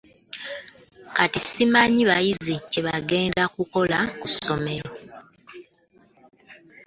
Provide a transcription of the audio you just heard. Kati simanyi bayizi kye bagenda kukola ku somero.